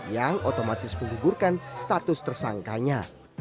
yang otomatis menggugurkan status tersangkanya